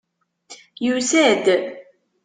Yusa-d.